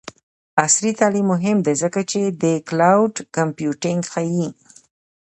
عصري تعلیم مهم دی ځکه چې د کلاؤډ کمپیوټینګ ښيي.